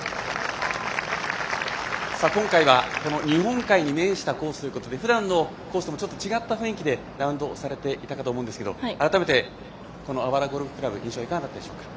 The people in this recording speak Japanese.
今回は日本海に面したコースということでふだんのコースともちょっと違う雰囲気でラウンドされていたかと思うんですけど改めて芦原ゴルフクラブ印象、いかがだったでしょうか？